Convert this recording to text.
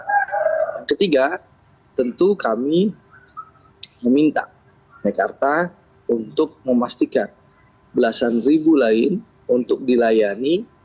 yang ketiga tentu kami meminta mekarta untuk memastikan belasan ribu lain untuk dilayani